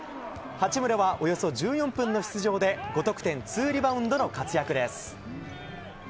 八村は、およそ１４分の出場で５得点２リバウンドの活躍です。